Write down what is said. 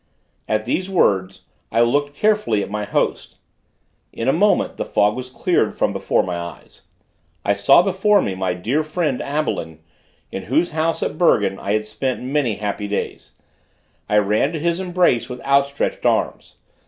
At these words, I looked carefully at my host. In a moment the fog was cleared from before my eyes. I saw before me my dear friend Abelin, in whose house, at Bergen, I had spent many happy days. I ran to his embrace with outstretched arms.